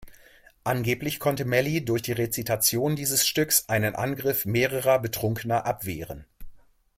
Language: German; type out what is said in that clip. Angeblich konnte Melly durch die Rezitation dieses Stücks einen Angriff mehrerer Betrunkener abwehren.